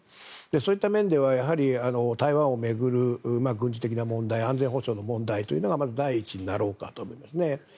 そういった面では台湾を巡る軍事的な問題安全保障の問題というのがまず第一になろうかと思います。